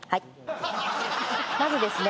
まずですね